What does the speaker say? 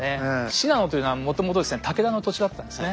信濃というのはもともと武田の土地だったんですね。